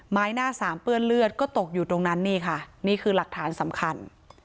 ไม้หน้าสามเปื้อนเลือดก็ตกอยู่ตรงนั้นนี่ค่ะนี่คือหลักฐานสำคัญ